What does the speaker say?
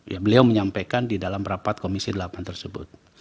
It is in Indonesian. ya beliau menyampaikan di dalam rapat komisi delapan tersebut